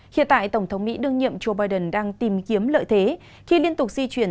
hiện tại tổng thống mỹ đương nhiệm joe biden đang tìm kiếm lợi thế khi liên tục di chuyển